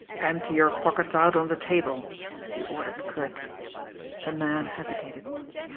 "Empty your pockets out on the table!" he ordered curtly. The man hesitated.